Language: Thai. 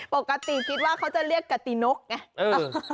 ปกติคิดว่าเขาจะเรียกกตินกไง